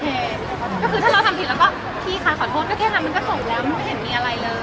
ก็คือถ้าเราทำผิดเราก็พี่คะขอโทษก็แค่นั้นมันก็ส่งแล้วไม่เห็นมีอะไรเลย